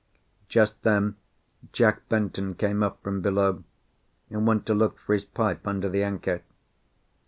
Just then Jack Benton came up from below, and went to look for his pipe under the anchor.